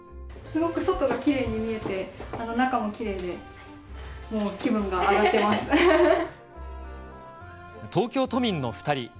すごく外がきれいに見えて、中もきれいで、もう気分が上がっ東京都民の２人。